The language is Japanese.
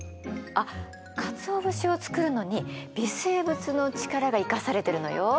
あっかつお節を作るのに微生物の力が生かされてるのよ。